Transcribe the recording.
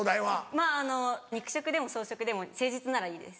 まぁ肉食でも草食でも誠実ならいいです。